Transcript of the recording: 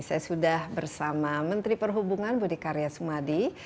saya sudah bersama menteri perhubungan budi karya sumadi